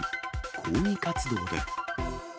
抗議活動で。